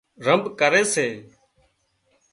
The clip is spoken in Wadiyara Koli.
رنڀ ڪري سي